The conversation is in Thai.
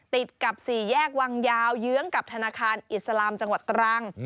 ติดกับ๔แยกวังยาวเยื้องกับธนาคารอิสลามจังหวัดตรัง